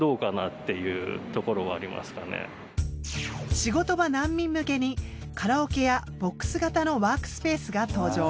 仕事場難民向けにカラオケやボックス型のワークスペースが登場。